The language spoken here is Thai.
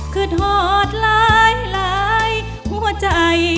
คือทอดหลายหลายหัวใจ